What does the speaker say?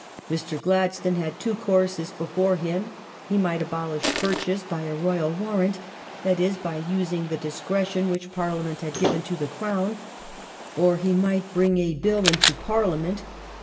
... Mr. Gladstone had two courses before him : he might abolish purchase by a Royal Wai'rant — that is by using the discretion which Parliament had given to the Crown ; or he might bring a Bill into Parliament